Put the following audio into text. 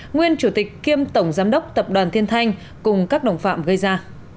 nguyên chủ tịch kiêm tổng giám đốc tập đoàn thiên thanh cùng các đồng phạm gây ra